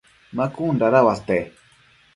ma cun dada uate ?